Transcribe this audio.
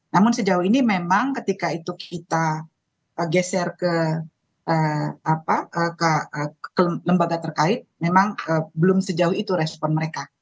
namun sejauh ini memang ketika itu kita geser ke lembaga terkait memang belum sejauh itu respon mereka